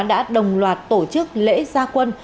đã đồng loạt tổ chức lễ gia quân